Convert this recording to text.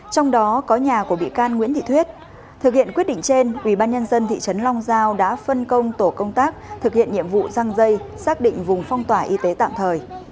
trong đó có nhà của bị can nguyễn thị thuyết thực hiện quyết định trên ubnd thị trấn long giao đã phân công tổ công tác thực hiện nhiệm vụ răng dây xác định vùng phong tỏa y tế tạm thời